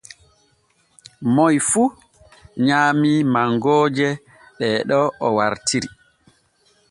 Moy fu nyaamii mangooje ɗee ɗo o wartiri.